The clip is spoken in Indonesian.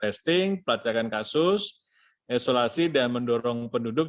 testing pelacakan kasus isolasi dan mendorong penduduk